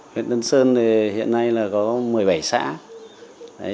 huyện tân sơn thì hiện nay là có một mươi bảy xã